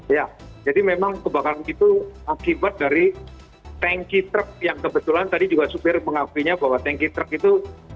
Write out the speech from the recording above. ya jadi memang kebakaran itu akibat dari tanki truk yang kebetulan tadi juga supir mengakuinya bahwa tanki truk itu